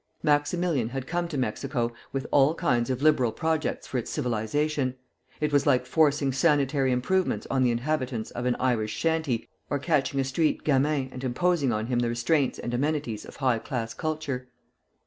Maximilian had come to Mexico with all kinds of liberal projects for its civilization. It was like forcing sanitary improvements on the inhabitants of an Irish shanty, or catching a street gamin and imposing on him the restraints and amenities of high class culture.